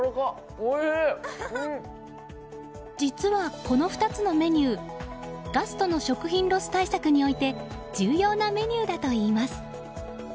実は、この２つのメニューガストの食品ロス対策において重要なメニューだといいます。